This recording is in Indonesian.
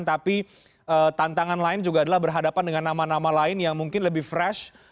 tapi tantangan lain juga adalah berhadapan dengan nama nama lain yang mungkin lebih fresh